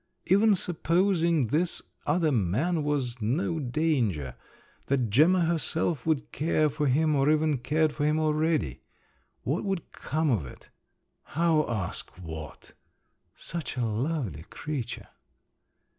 Even supposing this "other man" was no danger, that Gemma herself would care for him, or even cared for him already … What would come of it? How ask what! Such a lovely creature!